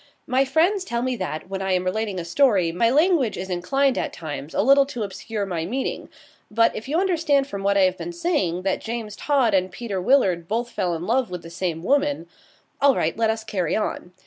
My friends tell me that, when I am relating a story, my language is inclined at times a little to obscure my meaning; but, if you understand from what I have been saying that James Todd and Peter Willard both fell in love with the same woman all right, let us carry on.